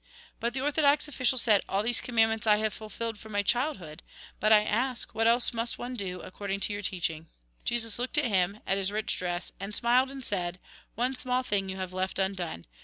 But the orthodox official said :' mandments I have fulfilled from but I ask, what else must one do, your teaching ?" Jesus looked at him, at his rich dress, and smiled, and said :" One small thing you have left undone.